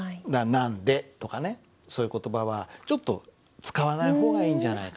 「なんで」とかねそういう言葉はちょっと使わない方がいいんじゃないかな。